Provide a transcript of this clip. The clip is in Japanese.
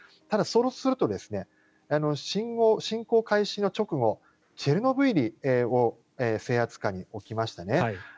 ただ、そうすると侵攻開始直後チェルノブイリを制圧下に置きましたね。